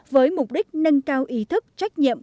với mục đích nâng cao ý thức trách nhiệm